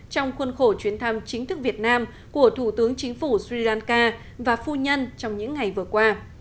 trong khuôn khổ chuyến thăm chính thức việt nam của thủ tướng chính phủ sri lanka và phu nhân trong những ngày vừa qua